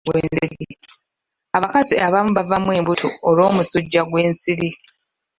Abakazi abamu bavaamu embuto olw'omusujja gw'ensiri.